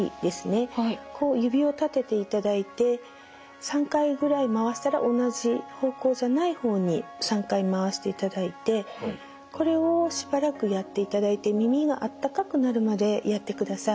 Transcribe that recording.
こう指を立てていただいて３回ぐらい回したら同じ方向じゃない方に３回回していただいてこれをしばらくやっていただいて耳が温かくなるまでやってください。